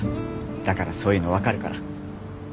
だからそういうの分かるから。